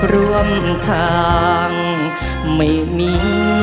รวมทางไม่มี